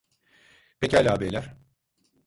Pekala beyler.